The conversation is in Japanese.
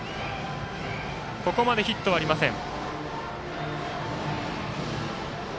ここまでヒットはありません。